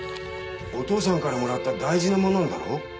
お父さんからもらった大事な物なんだろ？